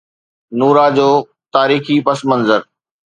نورا جو تاريخي پس منظر